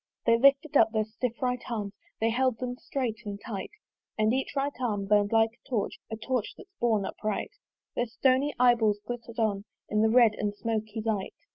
They lifted up their stiff right arms, They held them strait and tight; And each right arm burnt like a torch, A torch that's borne upright. Their stony eye balls glitter'd on In the red and smoky light.